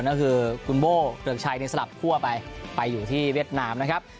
ก็คือคุณโบ้เกลือกชัยในสลับคั่วไปไปอยู่ที่เวียดนามนะครับ